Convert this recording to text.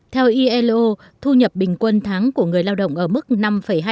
theo ilo thu nhập bình quân tháng của người lao động ở mức ngân hàng